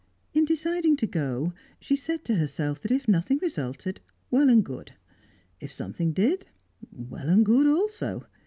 In deciding to go, she said to herself that if nothing resulted, well and good; if something did, well and good also.